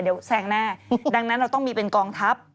เดี๋ยวแซงแน่ดังนั้นเราต้องมีเป็นกองทัพ